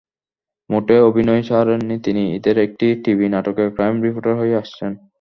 মোটেও অভিনয় ছাড়েননি তিনি, ঈদের একটি টিভি নাটকে ক্রাইম রিপোর্টার হয়ে আসছেন।